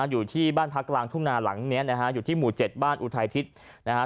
อยู่ที่บ้านพักกลางทุ่งนาหลังเนี้ยนะฮะอยู่ที่หมู่๗บ้านอุทัยทิศนะฮะ